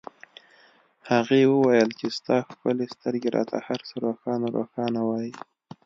هغې وویل چې ستا ښکلې سترګې راته هرڅه روښانه روښانه وایي